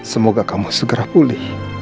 semoga kamu segera pulih